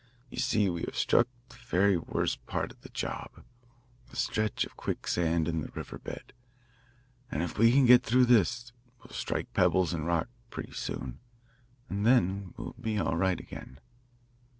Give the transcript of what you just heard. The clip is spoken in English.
You see, we have struck the very worst part of the job, a stretch of quicksand in the river bed, and if we can get through this we'll strike pebbles and rock pretty soon, and then we'll be all right again."